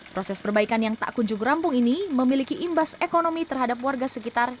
proses perbaikan yang tak kunjung rampung ini memiliki imbas ekonomi terhadap warga sekitar